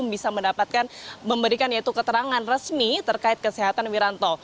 bisa mendapatkan memberikan yaitu keterangan resmi terkait kesehatan wiranto